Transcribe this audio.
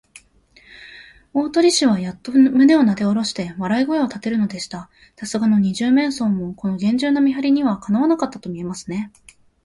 大鳥氏はやっと胸をなでおろして、笑い声をたてるのでした。さすがの二十面相も、このげんじゅうな見はりには、かなわなかったとみえますね。